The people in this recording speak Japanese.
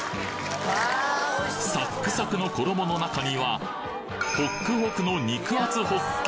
サックサクの衣の中にはホックホクの肉厚ホッケ。